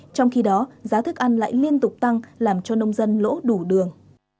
trong khi đó giá thức ăn lại liên tục tăng làm cho nông dân lỗ đủ đường